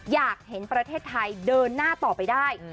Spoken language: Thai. อยากเห็นประเทศไทยเดินหน้าต่อไปได้